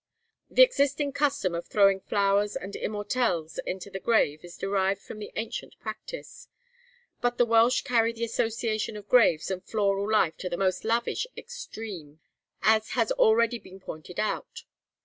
The existing custom of throwing flowers and immortelles into the grave is derivable from the ancient practice. But the Welsh carry the association of graves and floral life to the most lavish extreme, as has already been pointed out.